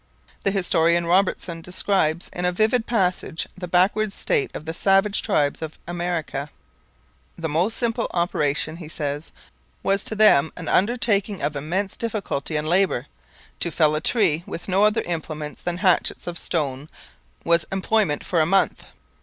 The historian Robertson describes in a vivid passage the backward state of the savage tribes of America. 'The most simple operation,' he says, 'was to them an undertaking of immense difficulty and labour. To fell a tree with no other implements than hatchets of stone was employment for a month.